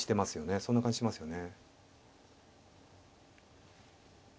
そんな感じしますよね。